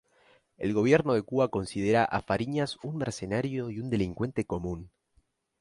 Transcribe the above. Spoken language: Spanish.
El gobierno de Cuba considera a Fariñas "un mercenario y un delincuente común".